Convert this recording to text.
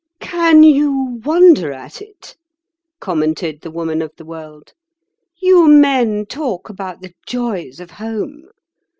"Can you wonder at it?" commented the Woman of the World. "You men talk about 'the joys of home.